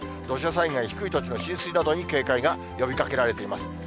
土砂災害、低い土地の浸水などに警戒が呼びかけられています。